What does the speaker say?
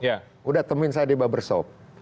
sudah temen saya di barbershop